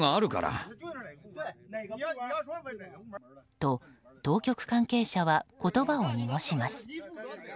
と、当局関係者は言葉を濁します。